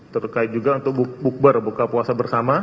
terkait juga untuk bukber buka puasa bersama